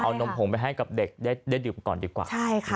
เอานมผงไปให้กับเด็กได้ดื่มก่อนดีกว่าใช่ค่ะ